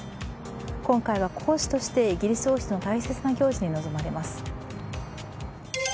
今回は皇嗣としてイギリス王室の大切な行事に臨まれます。